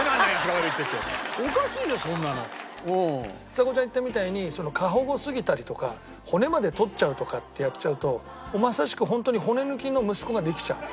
ちさ子ちゃん言ったみたいに過保護すぎたりとか骨まで取っちゃうとかってやっちゃうとまさしくホントに骨抜きの息子ができちゃう。